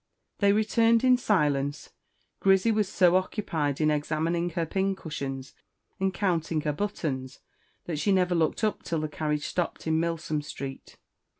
They returned in silence. Grizzy was so occupied in examining her pincushions and counting her buttons, that she never looked up till the carriage stopped in Milsom Street.